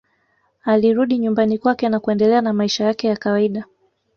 Alirudi nyumbani kwake na kuendelea na maisha yake ya kawaida